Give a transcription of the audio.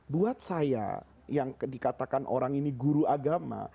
buat saya yang dikatakan orang ini guru agama